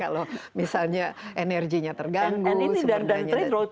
kalau misalnya energinya terganggu